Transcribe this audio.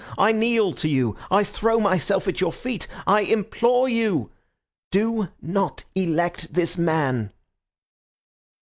I kneel to you. I throw myself at your feet. I implore you. Do not elect this man."